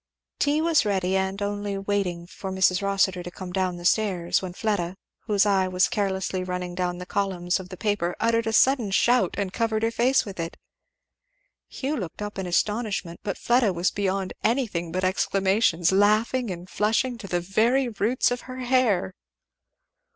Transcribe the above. Tea was ready, and only waiting for Mrs. Rossitur to come down stairs, when Fleda, whose eye was carelessly running along the columns of the paper, uttered a sudden shout and covered her face with it. Hugh looked up in astonishment, but Fleda was beyond anything but exclamations, laughing and flushing to the very roots of her hair.